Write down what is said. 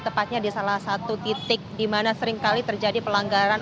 tepatnya di salah satu titik di mana seringkali terjadi pelanggaran